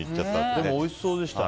でも、おいしそうでした。